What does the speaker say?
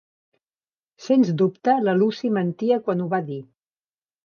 Sens dubte la Lucy mentia quan ho va dir.